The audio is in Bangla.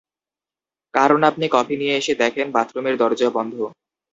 কারণ আপনি কফি নিয়ে এসে দেখেন-বাথরুমের দরজা বন্ধ।